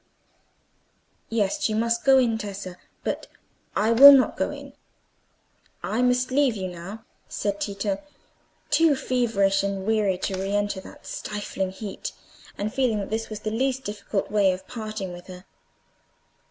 "Yes, you must go in, Tessa; but I will not go in. I must leave you now," said Tito, too feverish and weary to re enter that stifling heat, and feeling that this was the least difficult way of parting with her.